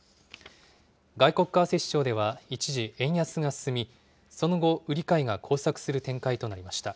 外国為替市場では一時円安が進み、その後、売り買いが交錯する展開となりました。